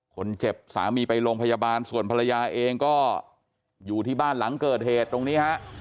สามีไปโรงพยาบาลส่วนภรรยาเองก็อยู่ที่บ้านหลังเกิดเหตุตรงนี้ฮะ